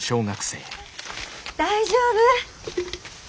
大丈夫？